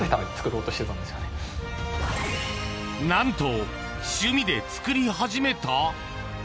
何と趣味で作り始めた？